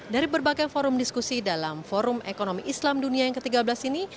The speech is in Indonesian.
dari berbagai forum diskusi dalam forum ekonomi islam dunia yang ke tiga belas ini